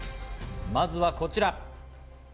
まずはこちら。